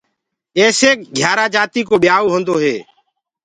ايسي گھيآرآ جآتيٚ ڪو ٻيآئو هوندو هي۔